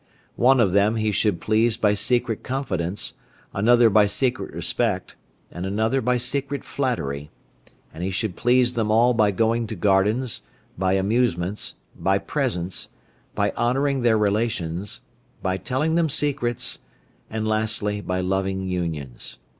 One of them he should please by secret confidence, another by secret respect, and another by secret flattery, and he should please them all by going to gardens, by amusements, by presents, by honouring their relations, by telling them secrets, and lastly by loving unions.